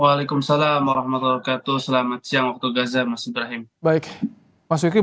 waalaikumsalam warahmatullahi wabarakatuh selamat siang waktu gaza mas ibrahim baik mas uki